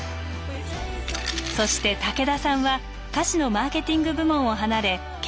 そして武田さんは菓子のマーケティング部門を離れ研究所へ。